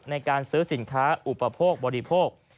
ในการซื้อสินค้าอุปโภคบริโภค